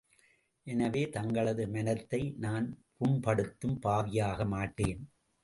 எனவே தங்களது மனத்தை நான் புண்படுத்தும் பாவியாக மாட்டேன்.